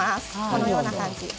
このような感じ。